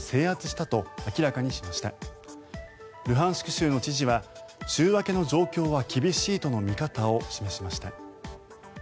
州の知事は週明けの状況は厳しいとの見方を示しました。